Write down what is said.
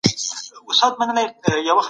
سن سيمون فرانسوی عالم و.